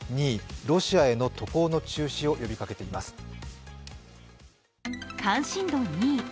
２位、ロシアへの渡航の中止を呼びかけています。